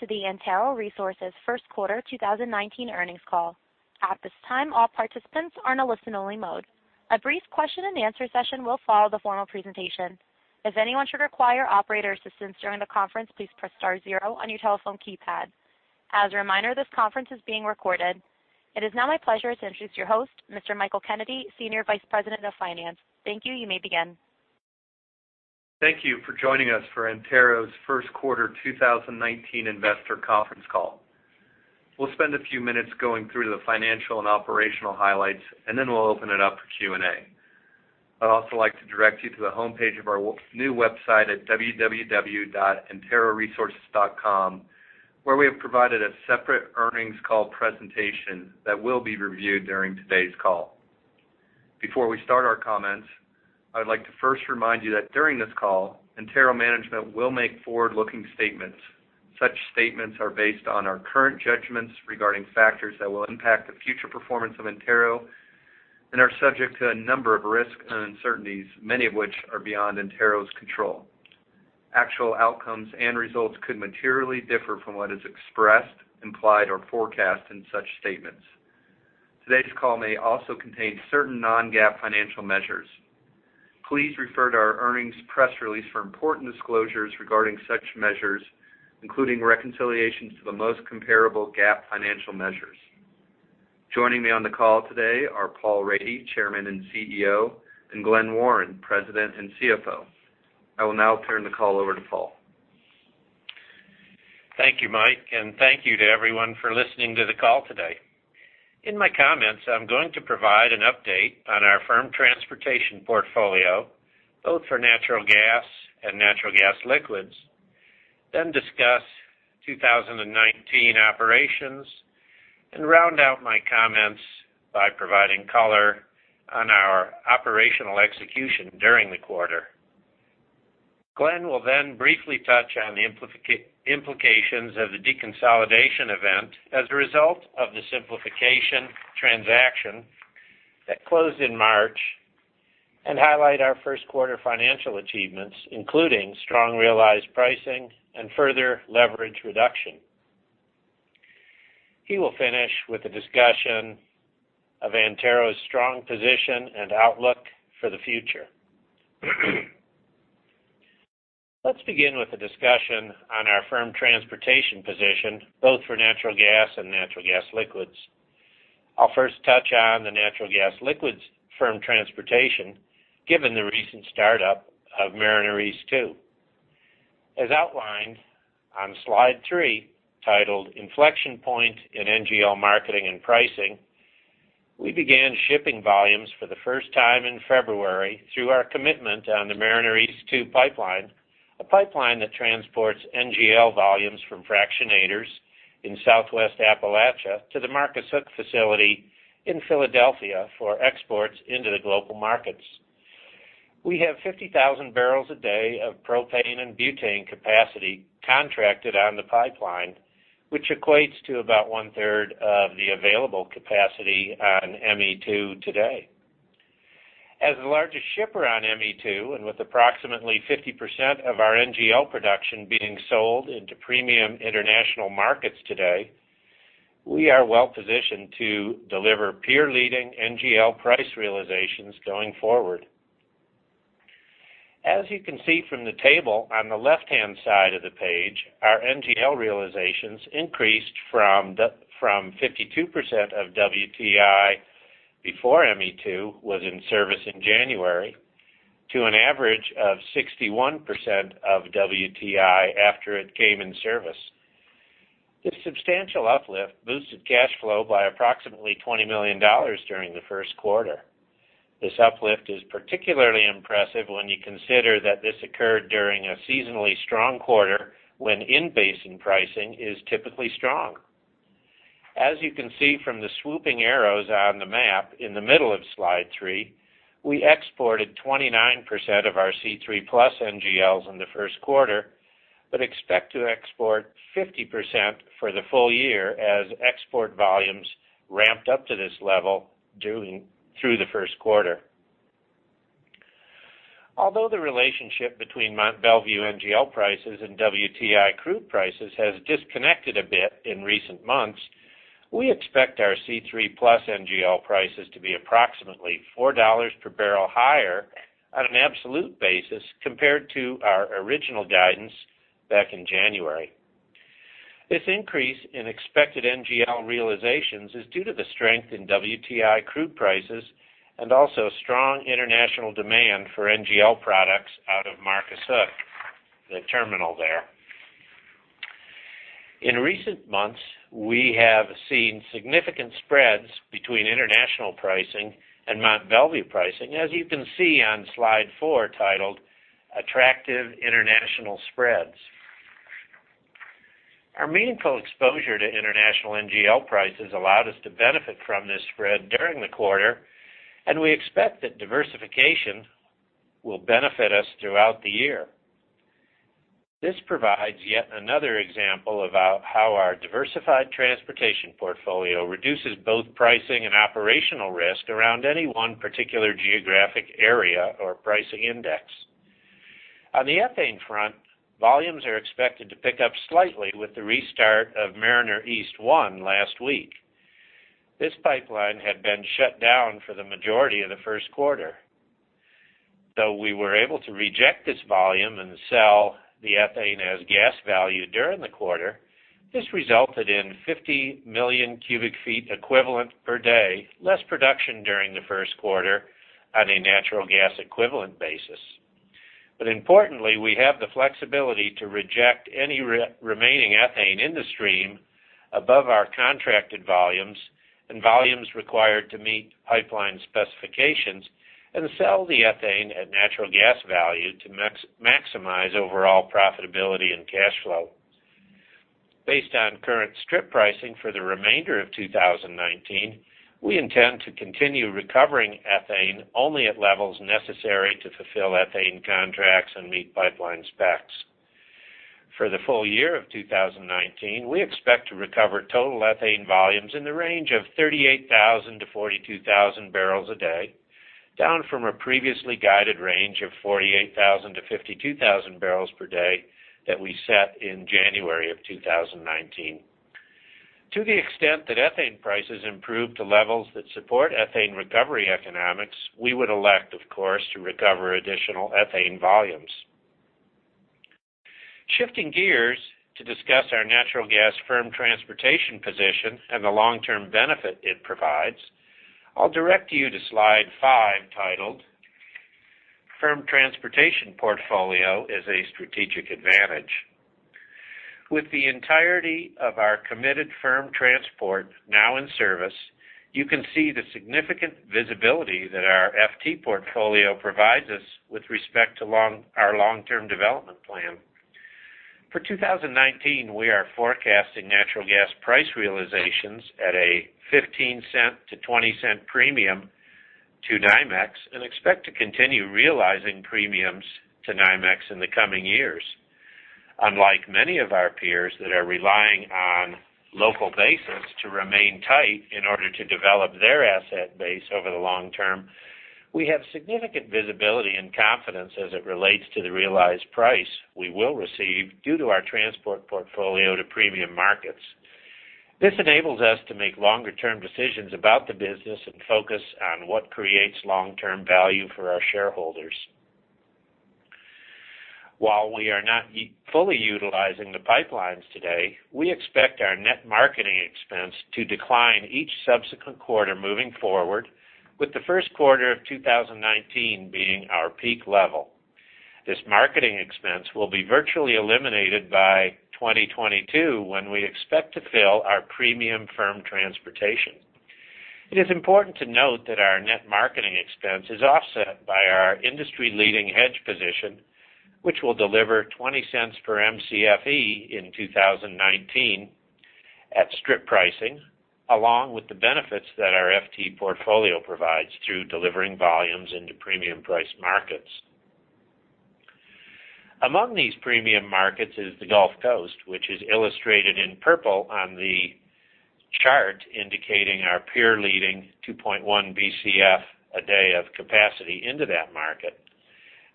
To the Antero Resources first quarter 2019 earnings call. At this time, all participants are in a listen only mode. A brief question and answer session will follow the formal presentation. If anyone should require operator assistance during the conference, please press star zero on your telephone keypad. As a reminder, this conference is being recorded. It is now my pleasure to introduce your host, Mr. Michael Kennedy, Senior Vice President of Finance. Thank you. You may begin. Thank you for joining us for Antero's first quarter 2019 investor conference call. We'll spend a few minutes going through the financial and operational highlights, then we'll open it up for Q&A. I'd also like to direct you to the homepage of our new website at www.anteroresources.com, where we have provided a separate earnings call presentation that will be reviewed during today's call. Before we start our comments, I would like to first remind you that during this call, Antero management will make forward-looking statements. Such statements are based on our current judgments regarding factors that will impact the future performance of Antero and are subject to a number of risks and uncertainties, many of which are beyond Antero's control. Actual outcomes and results could materially differ from what is expressed, implied, or forecast in such statements. Today's call may also contain certain non-GAAP financial measures. Please refer to our earnings press release for important disclosures regarding such measures, including reconciliations to the most comparable GAAP financial measures. Joining me on the call today are Paul Rady, Chairman and CEO, Glen Warren, President and CFO. I will now turn the call over to Paul. Thank you, Mike, thank you to everyone for listening to the call today. In my comments, I'm going to provide an update on our firm transportation portfolio, both for natural gas and natural gas liquids, then discuss 2019 operations, round out my comments by providing color on our operational execution during the quarter. Glen will then briefly touch on the implications of the deconsolidation event as a result of the simplification transaction that closed in March and highlight our first quarter financial achievements, including strong realized pricing and further leverage reduction. He will finish with a discussion of Antero's strong position and outlook for the future. Let's begin with a discussion on our firm transportation position, both for natural gas and natural gas liquids. I'll first touch on the natural gas liquids firm transportation, given the recent startup of Mariner East 2. As outlined on slide three, titled Inflection Point in NGL Marketing and Pricing, we began shipping volumes for the first time in February through our commitment on the Mariner East 2 pipeline, a pipeline that transports NGL volumes from fractionators in Southwest Appalachia to the Marcus Hook facility in Philadelphia for exports into the global markets. We have 50,000 bbl/d of propane and butane capacity contracted on the pipeline, which equates to about one-third of the available capacity on ME2 today. As the largest shipper on ME2, and with approximately 50% of our NGL production being sold into premium international markets today, we are well positioned to deliver peer-leading NGL price realizations going forward. As you can see from the table on the left-hand side of the page, our NGL realizations increased from 52% of WTI before ME2 was in service in January to an average of 61% of WTI after it came in service. This substantial uplift boosted cash flow by approximately $20 million during the first quarter. This uplift is particularly impressive when you consider that this occurred during a seasonally strong quarter when in-basin pricing is typically strong. As you can see from the swooping arrows on the map in the middle of slide three, we exported 29% of our C3+ NGLs in the first quarter, but expect to export 50% for the full year as export volumes ramped up to this level through the first quarter. Although the relationship between Mont Belvieu NGL prices and WTI crude prices has disconnected a bit in recent months, we expect our C3+ NGL prices to be approximately $4 per barrel higher on an absolute basis compared to our original guidance back in January. This increase in expected NGL realizations is due to the strength in WTI crude prices and also strong international demand for NGL products out of Marcus Hook, the terminal there. In recent months, we have seen significant spreads between international pricing and Mont Belvieu pricing, as you can see on slide four titled Attractive International Spreads. Our meaningful exposure to international NGL prices allowed us to benefit from this spread during the quarter, and we expect that diversification will benefit us throughout the year. This provides yet another example about how our diversified transportation portfolio reduces both pricing and operational risk around any one particular geographic area or pricing index. On the ethane front, volumes are expected to pick up slightly with the restart of Mariner East 1 last week. This pipeline had been shut down for the majority of the first quarter. Though we were able to reject this volume and sell the ethane as gas value during the quarter, this resulted in 50 MMcfe/d, less production during the first quarter on a natural gas equivalent basis. Importantly, we have the flexibility to reject any remaining ethane in the stream above our contracted volumes and volumes required to meet pipeline specifications, and sell the ethane at natural gas value to maximize overall profitability and cash flow. Based on current strip pricing for the remainder of 2019, we intend to continue recovering ethane only at levels necessary to fulfill ethane contracts and meet pipeline specs. For the full year of 2019, we expect to recover total ethane volumes in the range of 38,000 to 42,000 bbl/d, down from a previously guided range of 48,000 to 52,000 bbl/d that we set in January of 2019. To the extent that ethane prices improve to levels that support ethane recovery economics, we would elect, of course, to recover additional ethane volumes. Shifting gears to discuss our natural gas firm transportation position and the long-term benefit it provides, I'll direct you to slide five, titled Firm Transportation Portfolio is a Strategic Advantage. With the entirety of our committed firm transport now in service, you can see the significant visibility that our FT portfolio provides us with respect to our long-term development plan. For 2019, we are forecasting natural gas price realizations at a $0.15-$0.20 premium to NYMEX and expect to continue realizing premiums to NYMEX in the coming years. Unlike many of our peers that are relying on local basins to remain tight in order to develop their asset base over the long term, we have significant visibility and confidence as it relates to the realized price we will receive due to our transport portfolio to premium markets. This enables us to make longer-term decisions about the business and focus on what creates long-term value for our shareholders. While we are not fully utilizing the pipelines today, we expect our net marketing expense to decline each subsequent quarter moving forward, with the first quarter of 2019 being our peak level. This marketing expense will be virtually eliminated by 2022, when we expect to fill our premium firm transportation. It is important to note that our net marketing expense is offset by our industry-leading hedge position, which will deliver $0.20 per MCFE in 2019 at strip pricing, along with the benefits that our FT portfolio provides through delivering volumes into premium price markets. Among these premium markets is the Gulf Coast, which is illustrated in purple on the chart indicating our peer-leading 2.1 BCF a day of capacity into that market.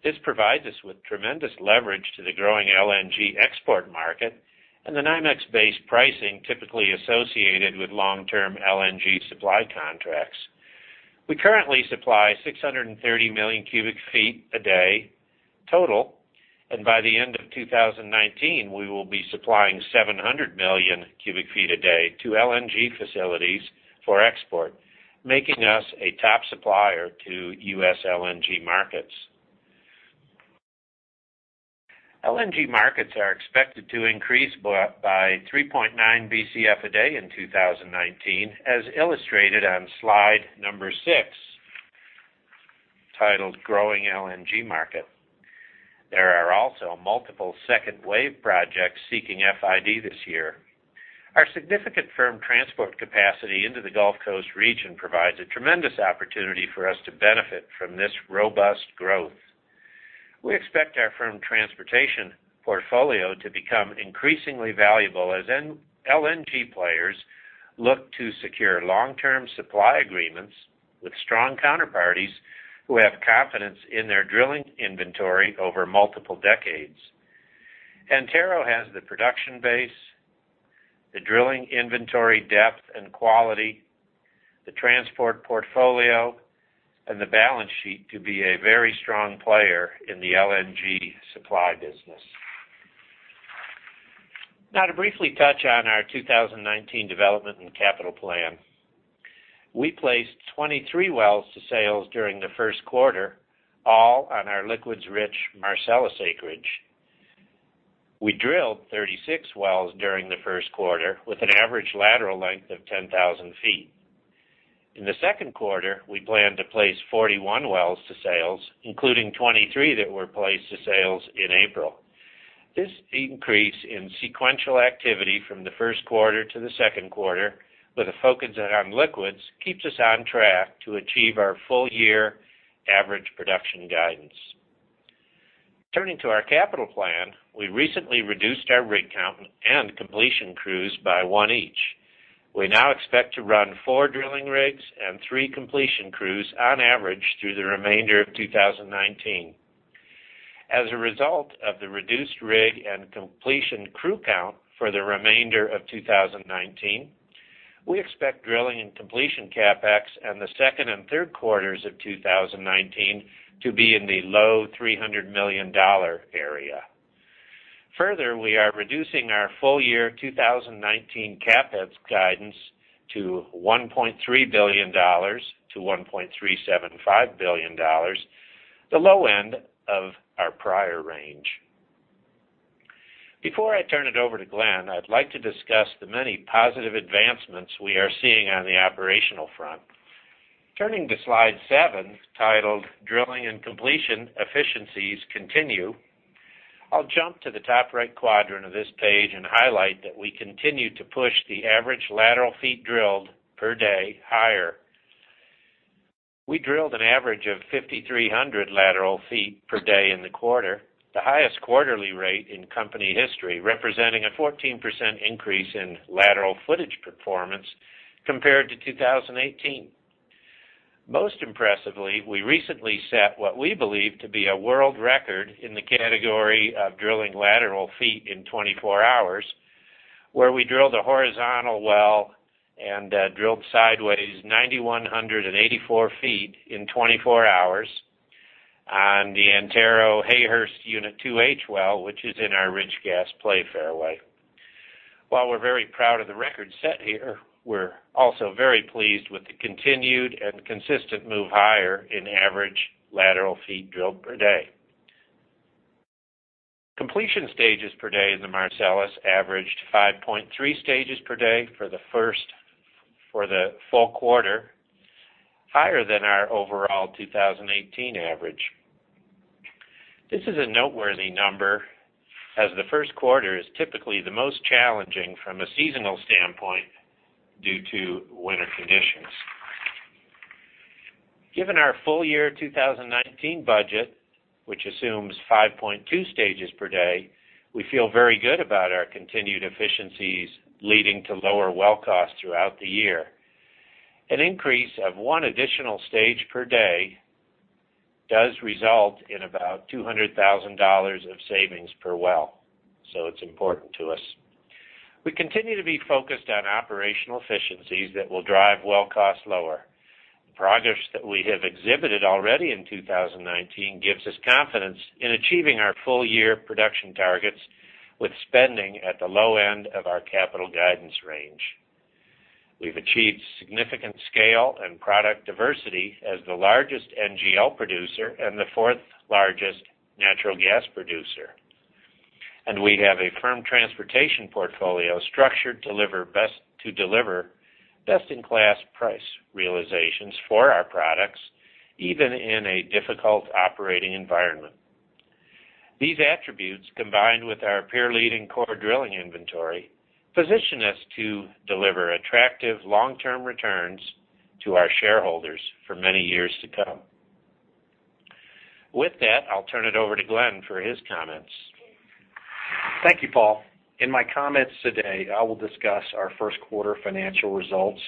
This provides us with tremendous leverage to the growing LNG export market and the NYMEX-based pricing typically associated with long-term LNG supply contracts. We currently supply 630 MMcf/d total, and by the end of 2019, we will be supplying 700 MMcf/d to LNG facilities for export, making us a top supplier to U.S. LNG markets. LNG markets are expected to increase by 3.9 BCF a day in 2019, as illustrated on slide number six, titled Growing LNG Market. There are also multiple second-wave projects seeking FID this year. Our significant firm transport capacity into the Gulf Coast region provides a tremendous opportunity for us to benefit from this robust growth. We expect our firm transportation portfolio to become increasingly valuable as LNG players look to secure long-term supply agreements with strong counterparties who have confidence in their drilling inventory over multiple decades. Antero has the production base, the drilling inventory depth and quality, the transport portfolio, and the balance sheet to be a very strong player in the LNG supply business. To briefly touch on our 2019 development and capital plan. We placed 23 wells to sales during the first quarter, all on our liquids-rich Marcellus acreage. We drilled 36 wells during the first quarter with an average lateral length of 10,000 ft. In the second quarter, we plan to place 41 wells to sales, including 23 that were placed to sales in April. This increase in sequential activity from the first quarter to the second quarter with a focus on liquids keeps us on track to achieve our full-year average production guidance. Turning to our capital plan, we recently reduced our rig count and completion crews by one each. We now expect to run four drilling rigs and three completion crews on average through the remainder of 2019. As a result of the reduced rig and completion crew count for the remainder of 2019, we expect drilling and completion CapEx in the second and third quarters of 2019 to be in the low $300 million area. Further, we are reducing our full-year 2019 CapEx guidance to $1.3 billion-$1.375 billion, the low end of our prior range. Before I turn it over to Glen, I'd like to discuss the many positive advancements we are seeing on the operational front. Turning to slide seven, titled "Drilling and Completion Efficiencies Continue," I'll jump to the top right quadrant of this page and highlight that we continue to push the average lateral feet drilled per day higher. We drilled an average of 5,300 lateral feet per day in the quarter, the highest quarterly rate in company history, representing a 14% increase in lateral footage performance compared to 2018. Most impressively, we recently set what we believe to be a world record in the category of drilling lateral feet in 24 hours, where we drilled a horizontal well and drilled sideways 9,184 ft in 24 hours on the Antero Hayhurst Unit 2H well, which is in our Rich Gas Play fairway. While we're very proud of the record set here, we're also very pleased with the continued and consistent move higher in average lateral feet drilled per day. Completion stages per day in the Marcellus averaged 5.3 stages per day for the full quarter, higher than our overall 2018 average. This is a noteworthy number, as the first quarter is typically the most challenging from a seasonal standpoint due to winter conditions. Given our full-year 2019 budget, which assumes 5.2 stages per day, we feel very good about our continued efficiencies leading to lower well costs throughout the year. An increase of one additional stage per day does result in about $200,000 of savings per well, so it's important to us. We continue to be focused on operational efficiencies that will drive well cost lower. The progress that we have exhibited already in 2019 gives us confidence in achieving our full-year production targets with spending at the low end of our capital guidance range. We've achieved significant scale and product diversity as the largest NGL producer and the fourth-largest natural gas producer. We have a firm transportation portfolio structured to deliver best-in-class price realizations for our products, even in a difficult operating environment. These attributes, combined with our peer-leading core drilling inventory, position us to deliver attractive long-term returns to our shareholders for many years to come. With that, I'll turn it over to Glen for his comments. Thank you, Paul. In my comments today, I will discuss our first quarter financial results,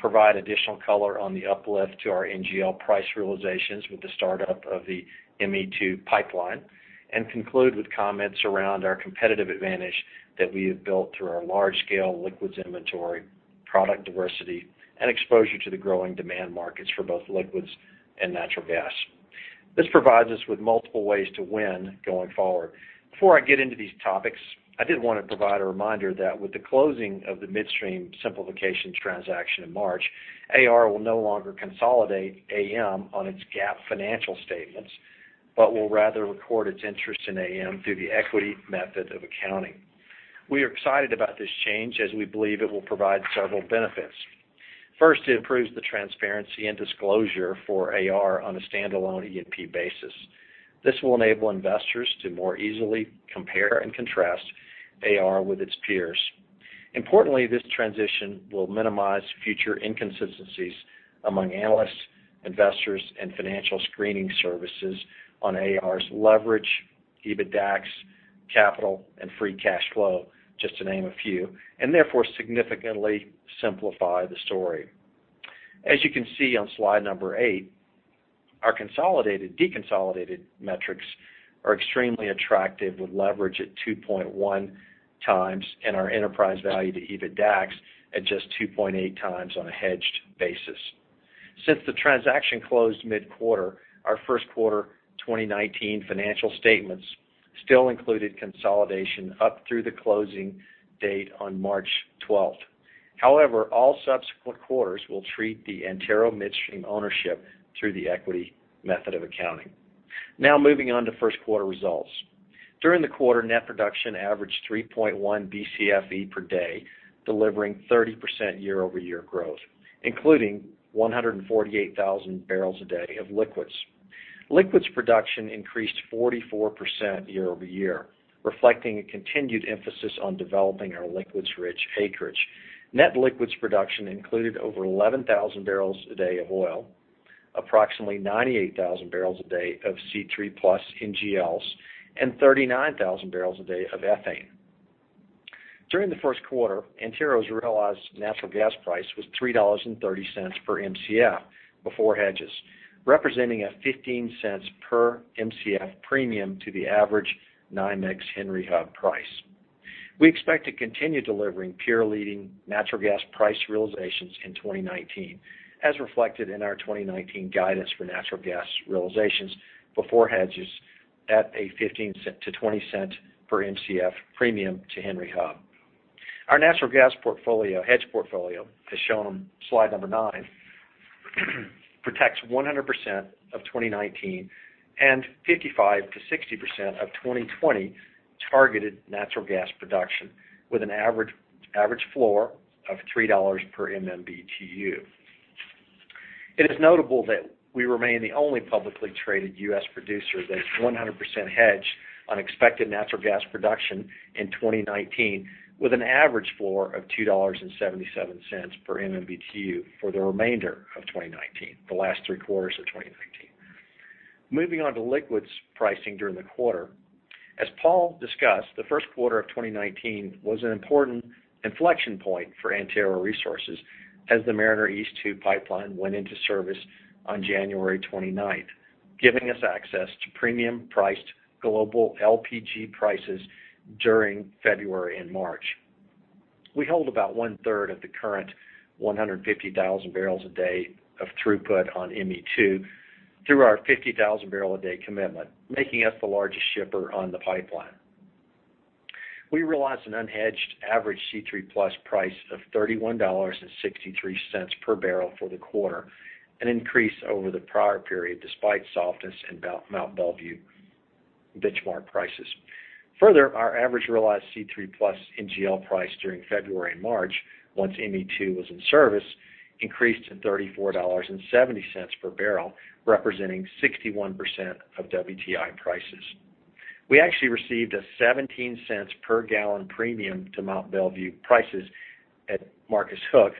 provide additional color on the uplift to our NGL price realizations with the startup of the ME2 pipeline, and conclude with comments around our competitive advantage that we have built through our large-scale liquids inventory, product diversity, and exposure to the growing demand markets for both liquids and natural gas. This provides us with multiple ways to win going forward. Before I get into these topics, I did want to provide a reminder that with the closing of the midstream simplifications transaction in March, AR will no longer consolidate AM on its GAAP financial statements, but will rather record its interest in AM through the equity method of accounting. We are excited about this change, as we believe it will provide several benefits. First, it improves the transparency and disclosure for AR on a standalone E&P basis. This will enable investors to more easily compare and contrast AR with its peers. Importantly, this transition will minimize future inconsistencies among analysts, investors, and financial screening services on AR's leverage, EBITDAX, capital, and free cash flow, just to name a few, and therefore significantly simplify the story. As you can see on slide number eight, our consolidated/deconsolidated metrics are extremely attractive with leverage at 2.1 times and our enterprise value to EBITDAX at just 2.8 times on a hedged basis. Since the transaction closed mid-quarter, our first quarter 2019 financial statements still included consolidation up through the closing date on March 12th. However, all subsequent quarters will treat the Antero Midstream ownership through the equity method of accounting. Now moving on to first quarter results. During the quarter, net production averaged 3.1 BCFE per day, delivering 30% year-over-year growth, including 148,000 bbl/d. Liquids production increased 44% year-over-year, reflecting a continued emphasis on developing our liquids-rich acreage. Net liquids production included over 11,000 bbl/d of oil. Approximately 98,000 bbl/d of C3+ NGLs and 39,000 bbl/d of ethane. During the first quarter, Antero's realized natural gas price was $3.30 per Mcf before hedges, representing a $0.15 per Mcf premium to the average NYMEX Henry Hub price. We expect to continue delivering peer-leading natural gas price realizations in 2019, as reflected in our 2019 guidance for natural gas realizations before hedges at a $0.15 to $0.20 per Mcf premium to Henry Hub. Our natural gas portfolio, hedge portfolio, as shown on slide nine, protects 100% of 2019 and 55%-60% of 2020 targeted natural gas production with an average floor of $3 per MMBtu. It is notable that we remain the only publicly traded U.S. producer that is 100% hedged on expected natural gas production in 2019, with an average floor of $2.77 per MMBtu for the remainder of 2019, the last three quarters of 2019. Moving on to liquids pricing during the quarter. As Paul discussed, the first quarter of 2019 was an important inflection point for Antero Resources as the Mariner East 2 pipeline went into service on January 29th, giving us access to premium-priced global LPG prices during February and March. We hold about one-third of the current 150,000 bbl/d of throughput on ME2 through our 50,000 bbl/d commitment, making us the largest shipper on the pipeline. We realized an unhedged average C3+ price of $31.63 per barrel for the quarter, an increase over the prior period despite softness in Mount Belvieu benchmark prices. Further, our average realized C3+ NGL price during February and March, once ME2 was in service, increased to $34.70 per barrel, representing 61% of WTI prices. We actually received a $0.17 per gallon premium to Mount Belvieu prices at Marcus Hook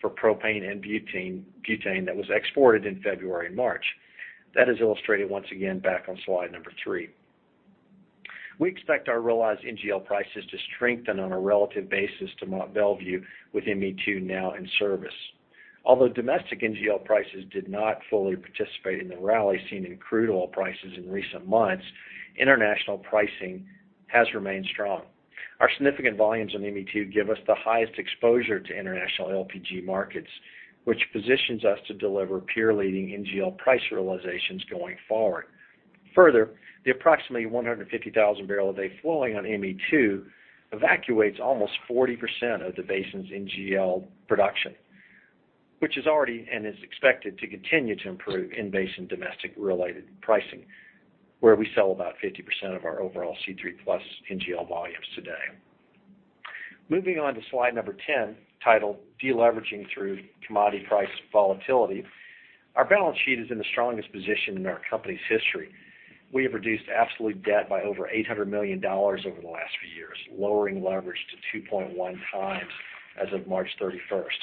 for propane and butane that was exported in February and March. That is illustrated once again back on slide three. We expect our realized NGL prices to strengthen on a relative basis to Mount Belvieu with ME2 now in service. Although domestic NGL prices did not fully participate in the rally seen in crude oil prices in recent months, international pricing has remained strong. Our significant volumes on ME2 give us the highest exposure to international LPG markets, which positions us to deliver peer-leading NGL price realizations going forward. Further, the approximately 150,000 bbl/d flowing on ME2 evacuates almost 40% of the basin's NGL production, which is already and is expected to continue to improve in basin domestic related pricing, where we sell about 50% of our overall C3+ NGL volumes today. Moving on to slide 10, titled "De-leveraging through commodity price volatility." Our balance sheet is in the strongest position in our company's history. We have reduced absolute debt by over $800 million over the last few years, lowering leverage to 2.1 times as of March 31st.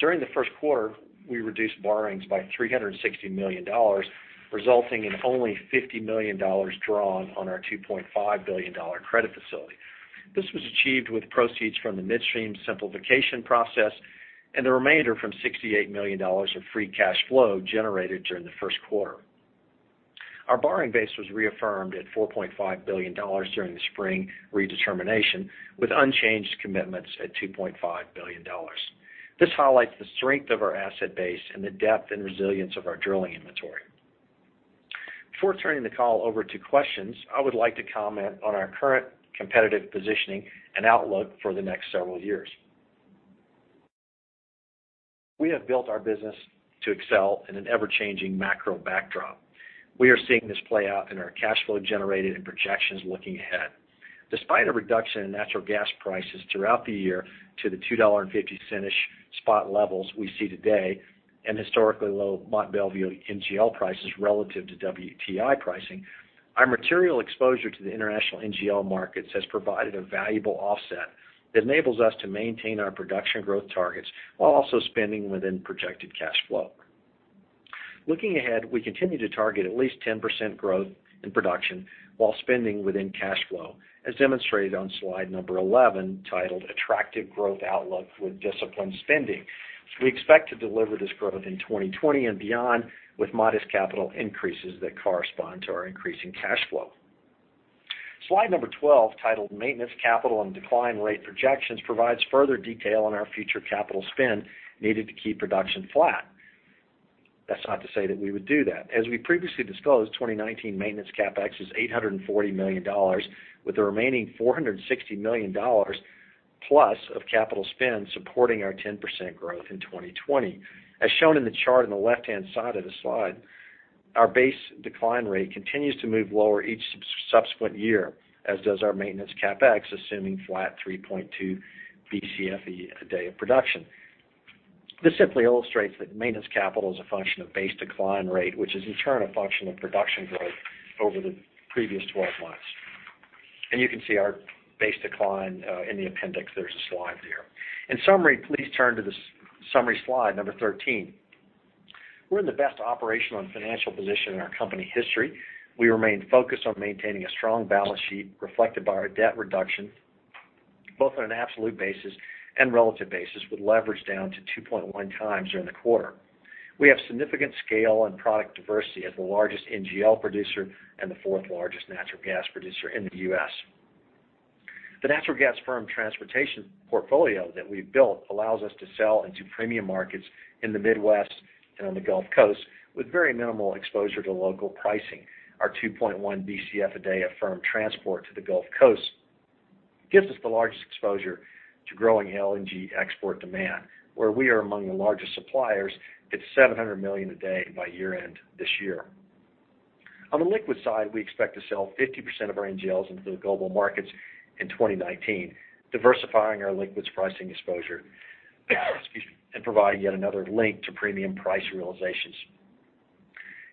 During the first quarter, we reduced borrowings by $360 million, resulting in only $50 million drawn on our $2.5 billion credit facility. This was achieved with proceeds from the midstream simplification process and the remainder from $68 million of free cash flow generated during the first quarter. Our borrowing base was reaffirmed at $4.5 billion during the spring redetermination, with unchanged commitments at $2.5 billion. This highlights the strength of our asset base and the depth and resilience of our drilling inventory. Before turning the call over to questions, I would like to comment on our current competitive positioning and outlook for the next several years. We have built our business to excel in an ever-changing macro backdrop. We are seeing this play out in our cash flow generated and projections looking ahead. Despite a reduction in natural gas prices throughout the year to the $2.50-ish spot levels we see today and historically low Mont Belvieu NGL prices relative to WTI pricing, our material exposure to the international NGL markets has provided a valuable offset that enables us to maintain our production growth targets while also spending within projected cash flow. Looking ahead, we continue to target at least 10% growth in production while spending within cash flow, as demonstrated on slide number 11, titled "Attractive growth outlook with disciplined spending." We expect to deliver this growth in 2020 and beyond with modest capital increases that correspond to our increasing cash flow. Slide number 12, titled "Maintenance capital and decline rate projections," provides further detail on our future capital spend needed to keep production flat. That's not to say that we would do that. As we previously disclosed, 2019 maintenance CapEx is $840 million, with the remaining $460 million plus of capital spend supporting our 10% growth in 2020. As shown in the chart on the left-hand side of the slide, our base decline rate continues to move lower each subsequent year, as does our maintenance CapEx, assuming flat 3.2 BCFE a day of production. This simply illustrates that maintenance capital is a function of base decline rate, which is in turn a function of production growth over the previous 12 months. You can see our base decline in the appendix. There's a slide there. In summary, please turn to the summary slide number 13. We're in the best operational and financial position in our company history. We remain focused on maintaining a strong balance sheet reflected by our debt reduction, both on an absolute basis and relative basis, with leverage down to 2.1 times during the quarter. We have significant scale and product diversity as the largest NGL producer and the fourth-largest natural gas producer in the U.S. The natural gas firm transportation portfolio that we've built allows us to sell into premium markets in the Midwest and on the Gulf Coast with very minimal exposure to local pricing. Our 2.1 BCF a day of firm transport to the Gulf Coast gives us the largest exposure to growing LNG export demand, where we are among the largest suppliers at $700 million a day by year-end this year. On the liquid side, we expect to sell 50% of our NGLs into the global markets in 2019, diversifying our liquids pricing exposure excuse me, and providing yet another link to premium price realizations.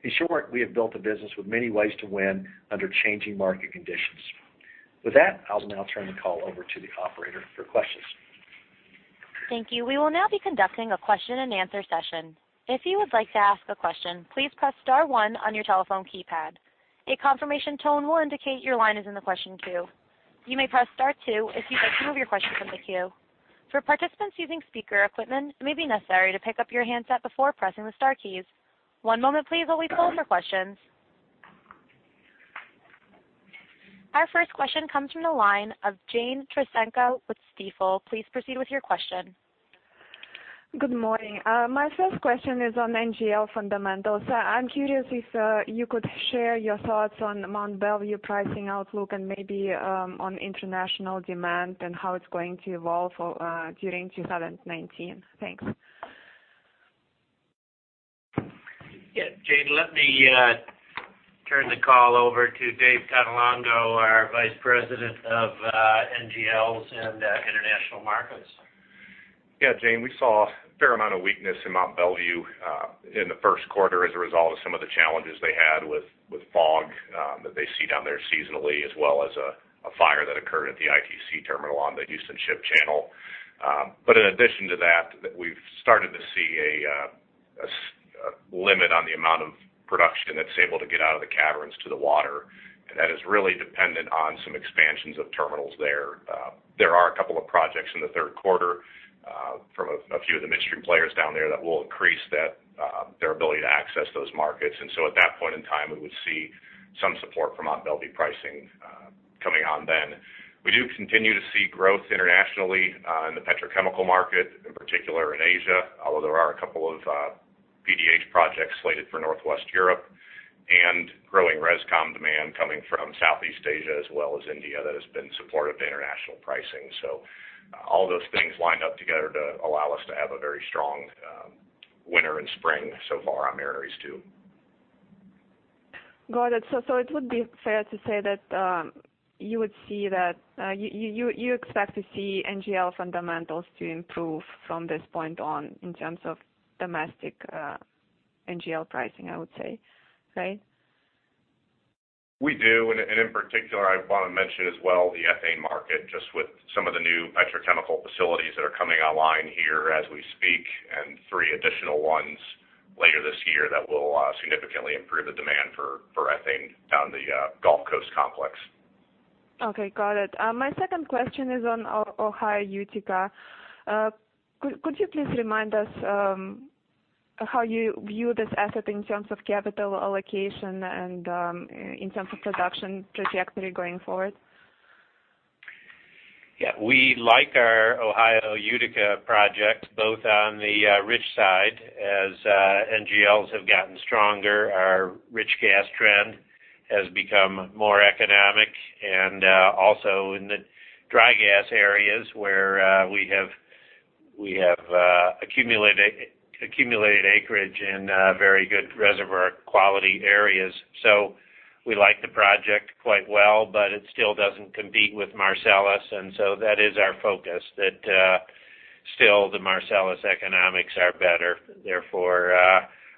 In short, we have built a business with many ways to win under changing market conditions. With that, I'll now turn the call over to the operator for questions. Thank you. We will now be conducting a question and answer session. If you would like to ask a question, please press star one on your telephone keypad. A confirmation tone will indicate your line is in the question queue. You may press star two if you'd like to move your question in the queue. For participants using speaker equipment, it may be necessary to pick up your handset before pressing the star keys. One moment please while we pull in your questions. Our first question comes from the line of Jane Trotsenko with Stifel. Please proceed with your question. Good morning. My first question is on NGL fundamentals. I'm curious if you could share your thoughts on Mont Belvieu pricing outlook and maybe on international demand and how it's going to evolve during 2019. Thanks. Yeah. Jane, let me turn the call over to Dave Cannelongo, our Vice President of NGLs and International Markets. Yeah, Jane, we saw a fair amount of weakness in Mont Belvieu in the first quarter as a result of some of the challenges they had with fog that they see down there seasonally, as well as a fire that occurred at the ITC terminal on the Houston Ship Channel. In addition to that, we've started to see a limit on the amount of production that's able to get out of the caverns to the water, and that is really dependent on some expansions of terminals there. There are a couple of projects in the third quarter from a few of the midstream players down there that will increase their ability to access those markets. At that point in time, we would see some support for Mont Belvieu pricing coming on then. We do continue to see growth internationally in the petrochemical market, in particular in Asia, although there are a couple of PDH projects slated for Northwest Europe and growing res/com demand coming from Southeast Asia as well as India that has been supportive to international pricing. All those things lined up together to allow us to have a very strong winter and spring so far on Mariner East 2. Got it. It would be fair to say that you expect to see NGL fundamentals to improve from this point on in terms of domestic NGL pricing, I would say. Right? We do, in particular, I want to mention as well the ethane market, just with some of the new petrochemical facilities that are coming online here as we speak, three additional ones later this year that will significantly improve the demand for ethane down the Gulf Coast complex. Okay, got it. My second question is on Ohio Utica. Could you please remind us how you view this asset in terms of capital allocation and in terms of production trajectory going forward? Yeah. We like our Ohio Utica project, both on the rich side, as NGLs have gotten stronger, our rich gas trend has become more economic, and also in the dry gas areas where we have accumulated acreage in very good reservoir quality areas. We like the project quite well, but it still doesn't compete with Marcellus, and so that is our focus. That still the Marcellus economics are better, therefore,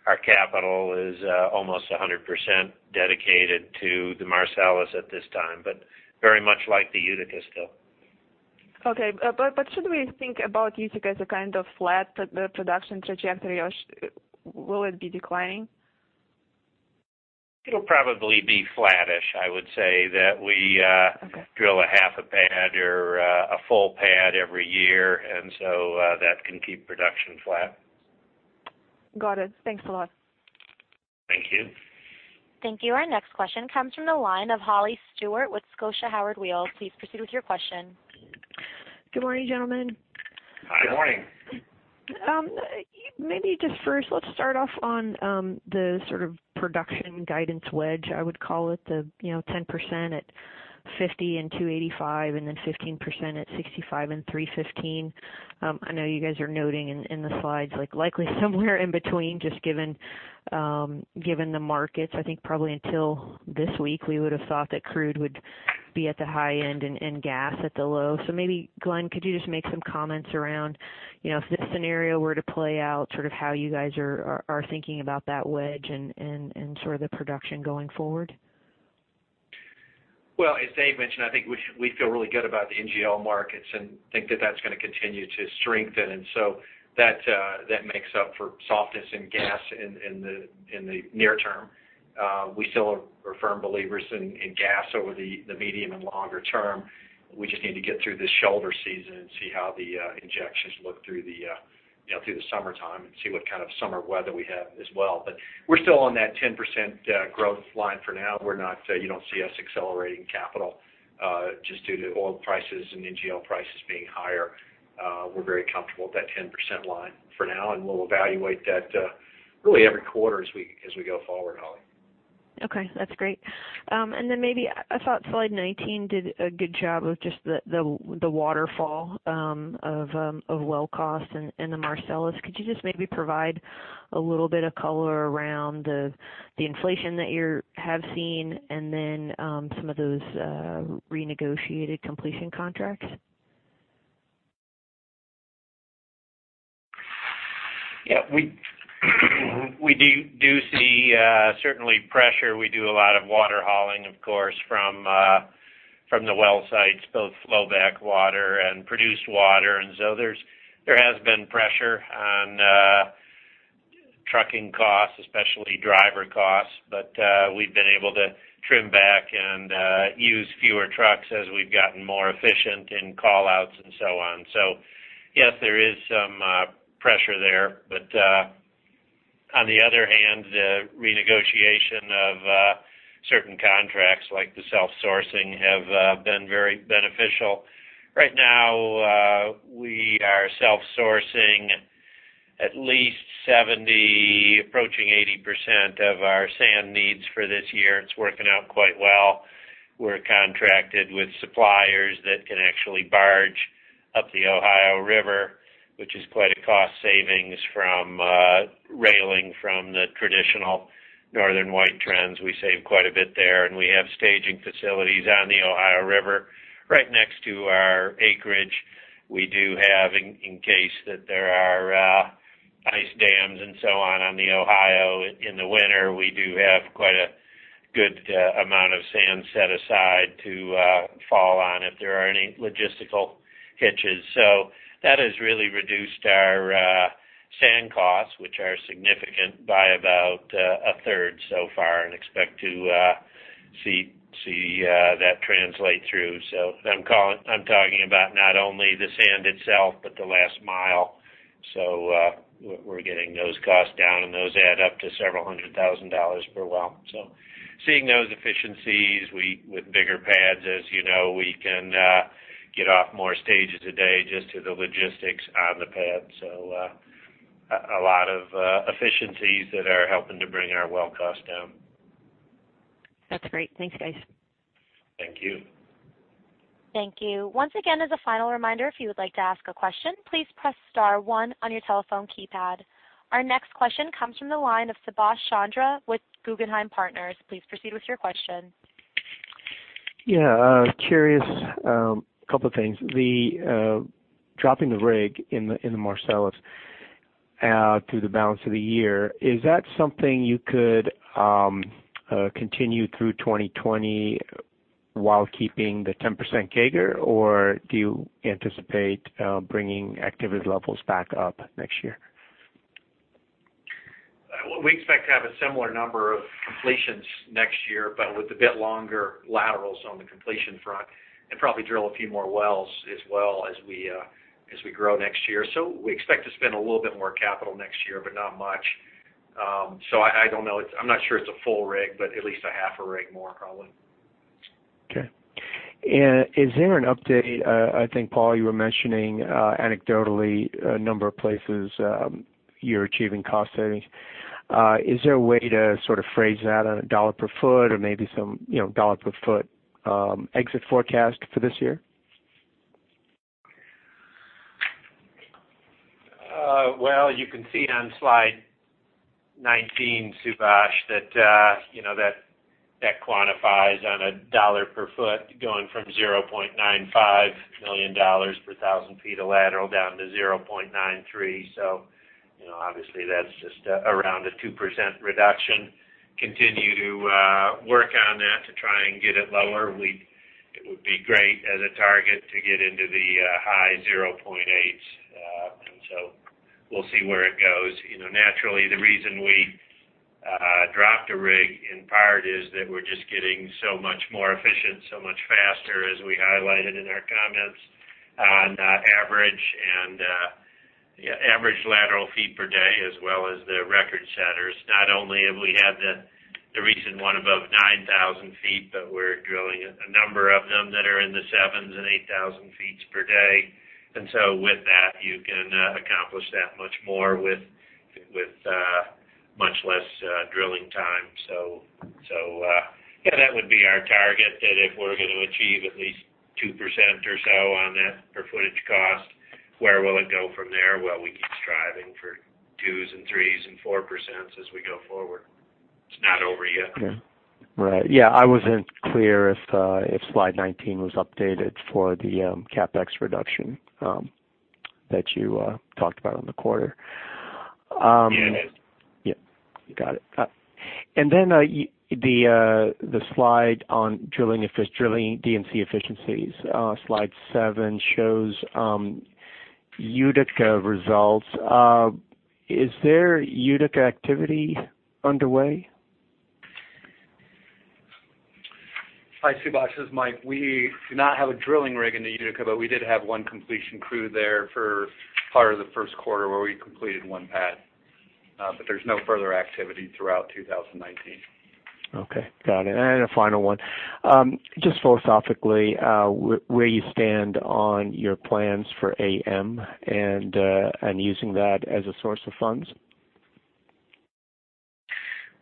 our capital is almost 100% dedicated to the Marcellus at this time, but very much like the Utica still. Okay. Should we think about Utica as a kind of flat production trajectory, or will it be declining? It'll probably be flattish. Okay drill a half a pad or a full pad every year, and so that can keep production flat. Got it. Thanks a lot. Thank you. Thank you. Our next question comes from the line of Holly Stewart with Scotia Howard Weil. Please proceed with your question. Good morning, gentlemen. Hi. Good morning. Maybe just first, let's start off on the sort of production guidance wedge, I would call it, the 10% at $50 and $2.85 and then 15% at $65 and $3.15. I know you guys are noting in the slides, like likely somewhere in between, just given the markets. I think probably until this week, we would've thought that crude would be at the high end and gas at the low. Maybe, Glen, could you just make some comments around if this scenario were to play out, sort of how you guys are thinking about that wedge and sort of the production going forward? Well, as Dave mentioned, I think we feel really good about the NGL markets and think that that's going to continue to strengthen. That makes up for softness in gas in the near term. We still are firm believers in gas over the medium and longer term. We just need to get through this shoulder season and see how the injections look through the summertime, and see what kind of summer weather we have as well. We're still on that 10% growth line for now. You don't see us accelerating capital, just due to oil prices and NGL prices being higher. We're very comfortable with that 10% line for now, and we'll evaluate that really every quarter as we go forward, Holly. Okay, that's great. Maybe, I thought slide 19 did a good job of just the waterfall of well cost in the Marcellus. Could you just maybe provide a little bit of color around the inflation that you have seen, and then some of those renegotiated completion contracts? Yeah. We do see certainly pressure. We do a lot of water hauling, of course, from the well sites, both flow back water and produced water. There has been pressure on trucking costs, especially driver costs. We've been able to trim back and use fewer trucks as we've gotten more efficient in call-outs and so on. Yes, there is some pressure there. On the other hand, renegotiation of certain contracts, like the self-sourcing, have been very beneficial. Right now, we are self-sourcing at least 70, approaching 80% of our sand needs for this year. It's working out quite well. We're contracted with suppliers that can actually barge up the Ohio River, which is quite a cost savings from railing from the traditional Northern White sands. We save quite a bit there. We have staging facilities on the Ohio River right next to our acreage. We do have, in case that there are ice dams and so on the Ohio in the winter, we do have quite a good amount of sand set aside to fall on if there are any logistical hitches. That has really reduced our sand costs, which are significant, by about a third so far, and expect to see that translate through. I'm talking about not only the sand itself, but the last mile. We're getting those costs down, and those add up to several hundred thousand dollars per well. Seeing those efficiencies. With bigger pads, as you know, we can get off more stages a day just to the logistics on the pad. A lot of efficiencies that are helping to bring our well cost down. That's great. Thanks, guys. Thank you. Thank you. Once again, as a final reminder, if you would like to ask a question, please press star one on your telephone keypad. Our next question comes from the line of Subash Chandra with Guggenheim Partners. Please proceed with your question. Yeah. Curious, couple of things. The dropping the rig in the Marcellus through the balance of the year, is that something you could continue through 2020 while keeping the 10% CAGR, or do you anticipate bringing activity levels back up next year? We expect to have a similar number of completions next year, but with a bit longer laterals on the completion front. Probably drill a few more wells as well as we grow next year. We expect to spend a little bit more capital next year, but not much. I don't know. I'm not sure it's a full rig, but at least a half a rig more probably. Okay. Is there an update, I think, Paul, you were mentioning anecdotally a number of places you're achieving cost savings. Is there a way to sort of phrase that on a dollar per foot or maybe some dollar per foot exit forecast for this year? You can see it on slide 19, Subash, that quantifies on a dollar per foot going from $0.95 million per thousand feet of lateral down to $0.93 million. Obviously that's just around a 2% reduction. Continue to work on that to try and get it lower. It would be great as a target to get into the high 0.8s. We'll see where it goes. Naturally, the reason we dropped a rig in part is that we're just getting so much more efficient, so much faster, as we highlighted in our comments on average lateral feet per day, as well as the record setters. Not only have we had the recent one above 9,000 ft, but we're drilling a number of them that are in the seven and 8,000 ft per day. With that, you can accomplish that much more with much less drilling time. Yeah, that would be our target, that if we're going to achieve at least 2% or so on that per footage cost, where will it go from there? We keep striving for twos and threes and 4% as we go forward. It's not over yet. Okay. Right. Yeah, I wasn't clear if slide 19 was updated for the CapEx reduction that you talked about on the quarter. Yeah. Got it. The slide on drilling D&C efficiencies, slide seven shows Utica results. Is there Utica activity underway? Hi, Subash, this is Mike. We do not have a drilling rig in the Utica, we did have one completion crew there for part of the first quarter where we completed one pad. There's no further activity throughout 2019. Okay. Got it. A final one. Just philosophically, where you stand on your plans for AM and using that as a source of funds?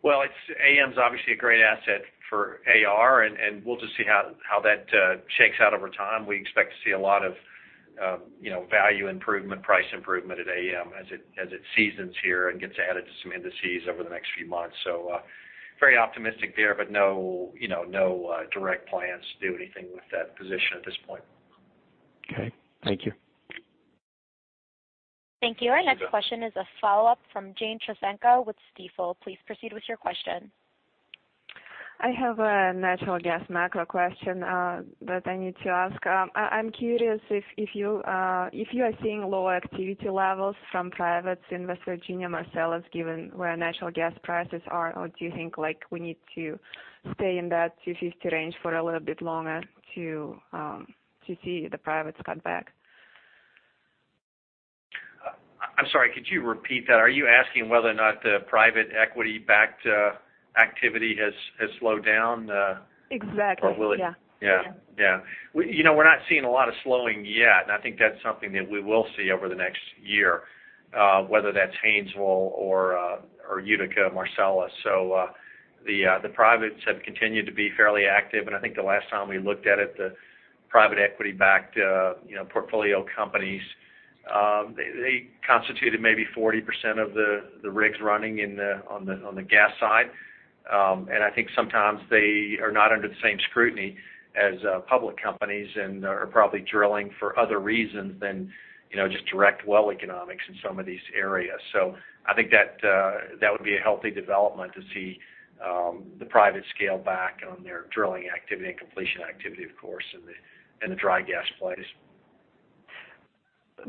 Well, AM's obviously a great asset for AR, we'll just see how that shakes out over time. We expect to see a lot of value improvement, price improvement at AM as it seasons here and gets added to some indices over the next few months. Very optimistic there, no direct plans to do anything with that position at this point. Okay. Thank you. Thank you. Our next question is a follow-up from Jane Trotsenko with Stifel. Please proceed with your question. I have a natural gas macro question that I need to ask. I'm curious if you are seeing lower activity levels from privates in West Virginia Marcellus, given where natural gas prices are, or do you think we need to stay in that $250 range for a little bit longer to see the privates cut back? I'm sorry, could you repeat that? Are you asking whether or not the private equity-backed activity has slowed down? Exactly. Yeah. Yeah. We're not seeing a lot of slowing yet. I think that's something that we will see over the next year, whether that's Haynesville or Utica, Marcellus. The privates have continued to be fairly active. I think the last time we looked at it, the private equity-backed portfolio companies, they constituted maybe 40% of the rigs running on the gas side. I think sometimes they are not under the same scrutiny as public companies and are probably drilling for other reasons than just direct well economics in some of these areas. I think that would be a healthy development to see the private scale back on their drilling activity and completion activity, of course, in the dry gas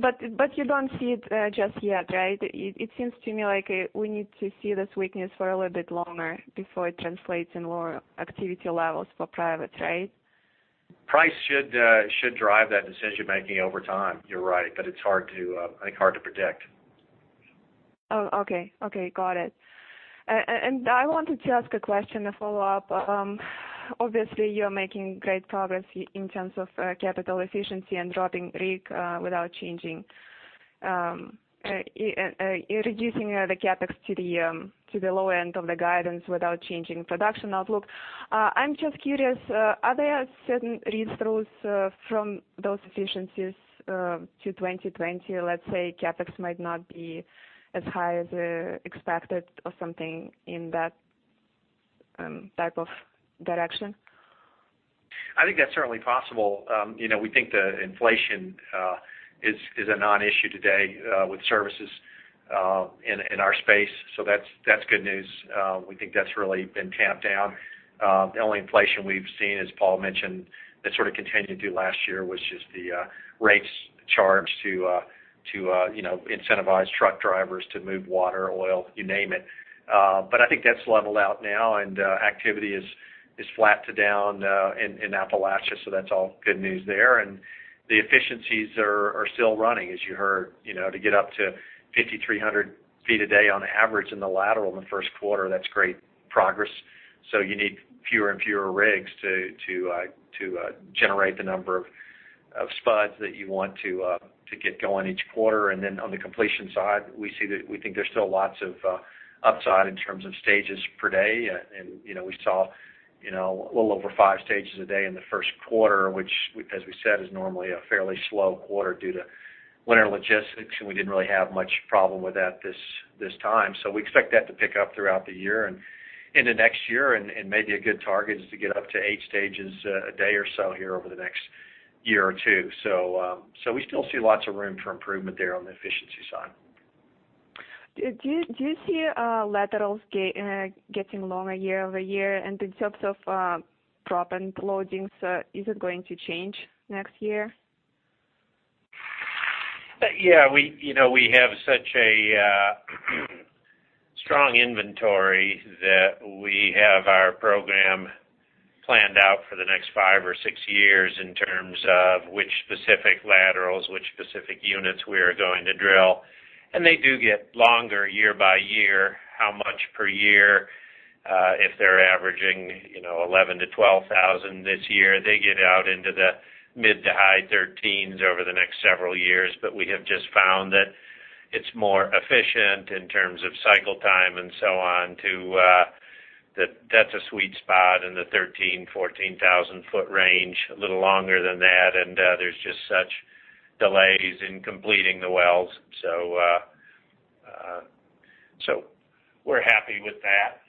plays. You don't see it just yet, right? It seems to me like we need to see this weakness for a little bit longer before it translates in lower activity levels for private, right? Price should drive that decision making over time. You're right. It's hard to predict. Oh, okay. Got it. I wanted to ask a question to follow up. Obviously, you're making great progress in terms of capital efficiency and dropping rig, reducing the CapEx to the low end of the guidance without changing production outlook. I'm just curious, are there certain read-throughs from those efficiencies to 2020? Let's say CapEx might not be as high as expected or something in that type of direction? I think that's certainly possible. We think that inflation is a non-issue today with services in our space, so that's good news. We think that's really been tamped down. The only inflation we've seen, as Paul mentioned, that sort of continued through last year was just the rates charged to incentivize truck drivers to move water, oil, you name it. I think that's leveled out now, and activity is flat to down in Appalachia, so that's all good news there. The efficiencies are still running, as you heard, to get up to 5,300 ft a day on average in the lateral in the first quarter. That's great progress. You need fewer and fewer rigs to generate the number of spuds that you want to get going each quarter. On the completion side, we think there's still lots of upside in terms of stages per day. We saw a little over five stages a day in the first quarter, which as we said, is normally a fairly slow quarter due to winter logistics, and we didn't really have much problem with that this time. We expect that to pick up throughout the year and into next year, and maybe a good target is to get up to eight stages a day or so here over the next year or two. We still see lots of room for improvement there on the efficiency side. Do you see laterals getting longer year over year? In terms of proppant loadings, is it going to change next year? Yeah, we have such a strong inventory that we have our program planned out for the next five or six years in terms of which specific laterals, which specific units we are going to drill. They do get longer year by year. How much per year? If they're averaging 11,000 to 12,000 this year, they get out into the mid to high thirteens over the next several years. We have just found that it's more efficient in terms of cycle time and so on. That's a sweet spot in the 13,000, 14,000 foot range. A little longer than that, and there's just such delays in completing the wells. We're happy with that.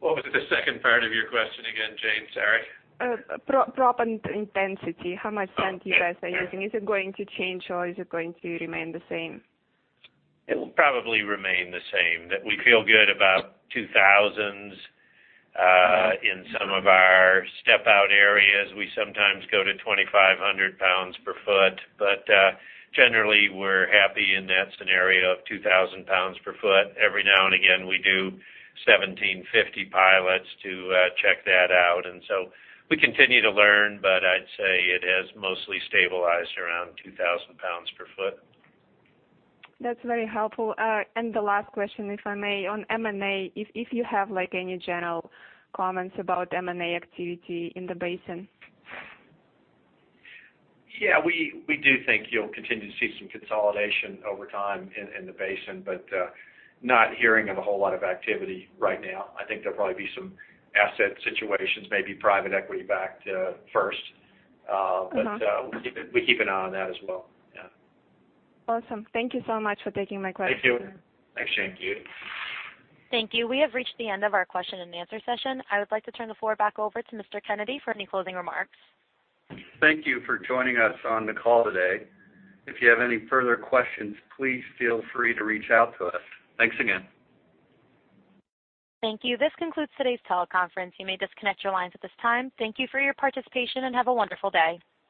What was the second part of your question again, Jane? Sorry. Proppant intensity. How much sand you guys are using? Is it going to change or is it going to remain the same? It will probably remain the same. That we feel good about 2,000 in some of our step out areas. We sometimes go to 2,500 pounds per foot. Generally, we're happy in that scenario of 2,000 pounds per foot. Every now and again, we do 1,750 pilots to check that out, and so we continue to learn, but I'd say it has mostly stabilized around 2,000 pounds per foot. That's very helpful. The last question, if I may, on M&A, if you have any general comments about M&A activity in the basin? Yeah, we do think you'll continue to see some consolidation over time in the basin, but not hearing of a whole lot of activity right now. I think there'll probably be some asset situations, maybe private equity backed first. We keep an eye on that as well. Yeah. Awesome. Thank you so much for taking my questions. Thank you. Thank you. We have reached the end of our question and answer session. I would like to turn the floor back over to Mr. Kennedy for any closing remarks. Thank you for joining us on the call today. If you have any further questions, please feel free to reach out to us. Thanks again. Thank you. This concludes today's teleconference. You may disconnect your lines at this time. Thank you for your participation, and have a wonderful day.